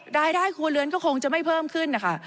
รายได้ครัวเรือนก็คงจะไม่เพิ่มขึ้นนะคะ